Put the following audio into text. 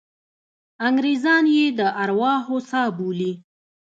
انګریزان یې د ارواحو څاه بولي.